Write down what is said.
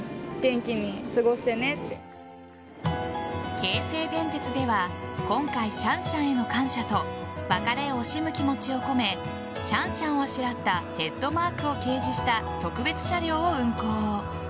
京成電鉄では今回、シャンシャンへの感謝と別れを惜しむ気持ちを込めシャンシャンをあしらったヘッドマークを掲示した特別車両を運行。